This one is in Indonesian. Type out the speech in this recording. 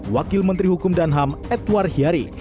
wakil menteri hukum dan ham edward hiari